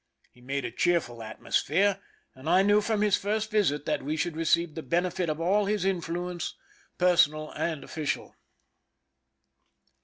He made a cheerful atmosphere, and I knew from his first visit that we should receive the benefit of all his influence, personal and official.